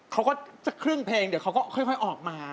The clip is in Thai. เขาก็จะเครื่องเพลงเดี๋ยวเขาก็ค่อยออกมา